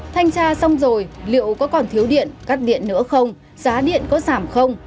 thanh tra xong rồi liệu có còn thiếu điện cắt điện nữa không giá điện có giảm không